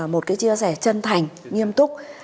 một cái chia sẻ chân thành nghiêm túc